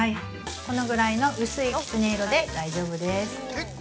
このぐらいの薄いキツネ色で大丈夫です。